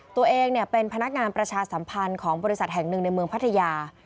ตัวเองเป็นพนักงานประชาสัมพันธ์ของบริษัทแห่งหนึ่งในเมืองพัทยา